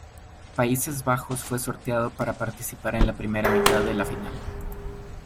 Países Bajos fue sorteado para participar en la primera mitad de la final.